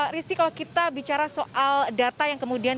rizky kalau kita bicara soal data yang kemudian